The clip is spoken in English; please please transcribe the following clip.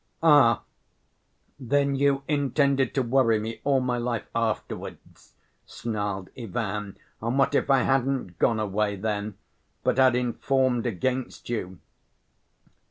"Ah! Then you intended to worry me all my life afterwards," snarled Ivan. "And what if I hadn't gone away then, but had informed against you?"